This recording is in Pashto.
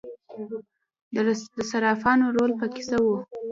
د صرافانو رول پکې څه و؟